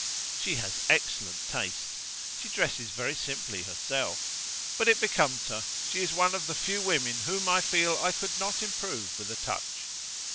"She has excellent taste." "She dresses very simply herself." "But it becomes her. She is one of the few women whom I feel I could not improve with a touch."